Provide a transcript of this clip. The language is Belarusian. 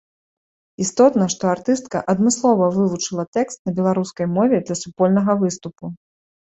Істотна, што артыстка адмыслова вывучыла тэкст на беларускай мове для супольнага выступу.